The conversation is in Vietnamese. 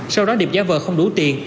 sau đó điệp giá vợ không đủ tiền